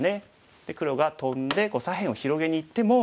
黒がトンで左辺を広げにいっても。